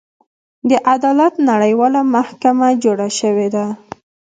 د عدالت نړیواله محکمه جوړه شوې ده.